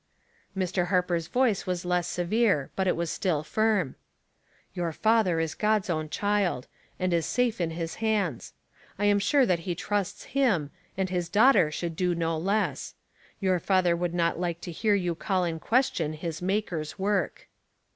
Mr. Harper's voice was less severe, but it was still firm. "Your father is God's own child, and is safe in his hands. I am sure that he trusts Am, and his daughter should do no less. Your father would not like to hear you call in ques tion his Maker's work."